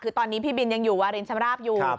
คือตอนนี้พี่บินยังอยู่วารินชำราบอยู่